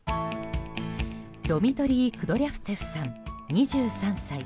ドミトリー・クドリャフツェフさん、２３歳。